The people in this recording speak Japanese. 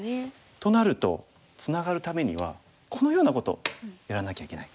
となるとツナがるためにはこのようなことやらなきゃいけない。